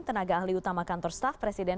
tenaga ahli utama kantor staff presiden